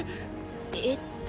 えっと。